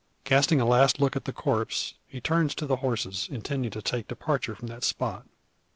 Casting a last look at the corpse, he turns to the horses, intending to take departure from the spot.